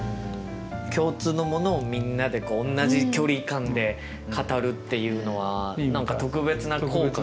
共通のものをみんなで同じ距離感で語るっていうのは何か特別な効果があるのかもしれないですね。